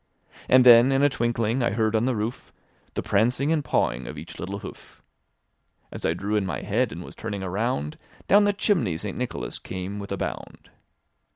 And then in a twinkling, I heard on the roof The prancing and pawing of each little hoof. As I drew in my head, and was turning around, Down the chimney St. Nicholas came with a bound.